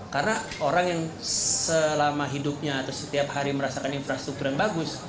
karena orang yang selama hidupnya atau setiap hari merasakan infrastruktur yang bagus